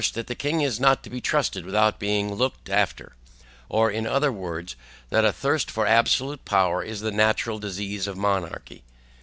That the king is not to be trusted without being looked after, or in other words, that a thirst for absolute power is the natural disease of monarchy.